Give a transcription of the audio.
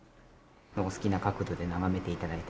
お好きな角度で眺めて頂いたり。